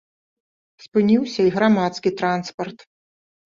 Спыніўся і грамадскі транспарт.